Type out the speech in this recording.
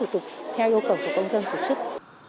theo yêu cầu của công dân phổ chức